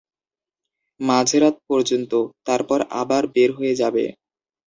মাঝরাত পর্যন্ত, তারপর আবার বের হয়ে যাবে।